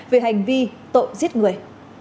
về hành vi tội giết người